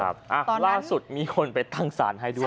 ล่าสุดมีคนไปตั้งสารให้ด้วย